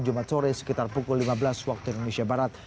jumat sore sekitar pukul lima belas waktu indonesia barat